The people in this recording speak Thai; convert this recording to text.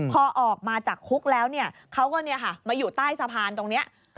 พอออกมาจากคุกแล้วเขาก็มาอยู่ใต้สะพานตรงนี้